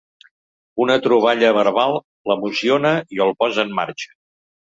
Una troballa verbal l'emociona i el posa en marxa.